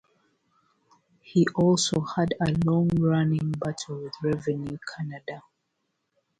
He also had a long-running battle with Revenue Canada.